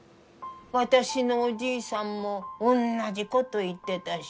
私のおじいさんもおんなじこと言ってたし。